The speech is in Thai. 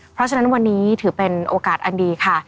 เพราะฉะนั้นวันนี้ถือเป็นโอกาสอันดีค่ะ